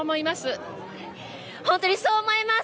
本当にそう思います。